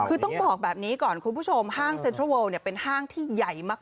คือต้องบอกแบบนี้ก่อนคุณผู้ชมห้างเซ็นทรัลเวิลเป็นห้างที่ใหญ่มาก